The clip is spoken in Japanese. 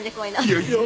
いやいや。